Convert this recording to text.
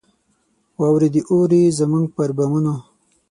واوري دي اوري زموږ پر بامونو